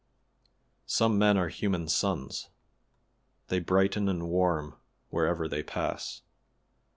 Such men are human suns! They brighten and warm wherever they pass.